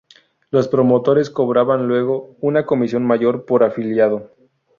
Los promotores cobraban luego una comisión mayor por afiliado.